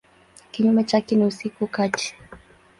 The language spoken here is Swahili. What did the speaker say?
Kinyume chake ni usiku kati.